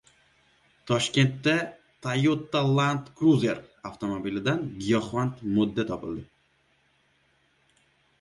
Toshkentda "Toyota Land Cruiser" avtomobilidan giyohvand modda topildi